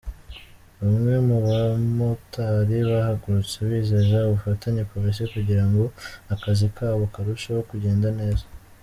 Bamwe mu bamotari bahagurutse bizeza ubufatanye Polisi kugira ngo akazi kabo karusheho kugenda neza.